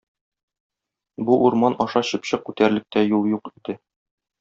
Бу урман аша чыпчык үтәрлек тә юл юк иде.